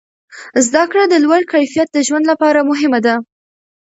زده کړه د لوړ کیفیت د ژوند لپاره مهمه ده.